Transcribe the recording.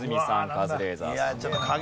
カズレーザーさんです。